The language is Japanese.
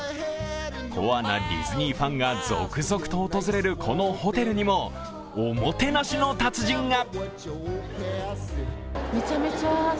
コアなディズニーファンが続々と訪れる、このホテルにもおもてなしの達人が。